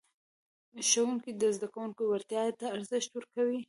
ښوونکي د زده کوونکو وړتیا ته ارزښت ورکولو.